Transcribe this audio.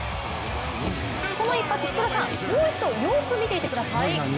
この一発、福田さん、よーく見ていてください。